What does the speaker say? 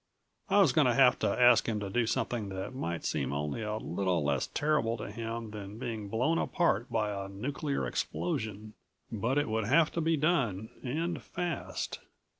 I was going to have to ask him to do something that might seem only a little less terrible to him than being blown apart by a nuclear explosion. But it would have to be done and fast.